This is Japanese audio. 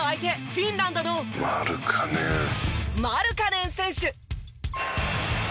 フィンランドのマルカネン選手。